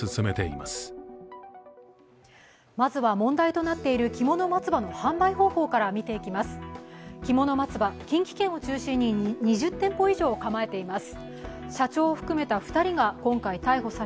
まずは問題となっているきもの松葉の販売方法から見ていきます。